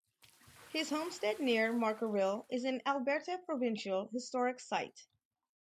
His homestead near Markerville is an Alberta Provincial Historic Site.